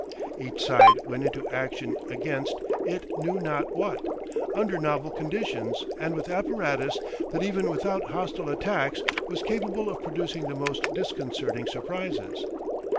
Each side went into action against it knew not what, under novel conditions and with apparatus that even without hostile attacks was capable of producing the most disconcerting surprises.